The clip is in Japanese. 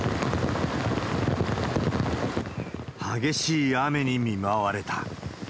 激しい雨に見舞われた。